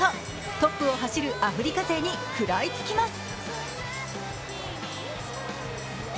トップを走るアフリカ勢に食らいつきます。